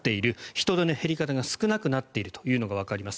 人出の減り方が少なくなっているというのがわかります。